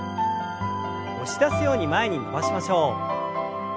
押し出すように前に伸ばしましょう。